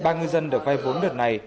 ba ngư dân được vai vốn đợt này